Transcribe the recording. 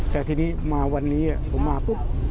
แต่ทีนี้มาวันนี้ผมมาปุ๊บ